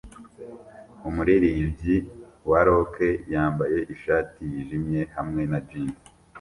Umuririmvyi wa rock yambaye ishati yijimye hamwe na jeans